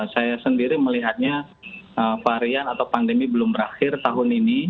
saya sendiri melihatnya varian atau pandemi belum berakhir tahun ini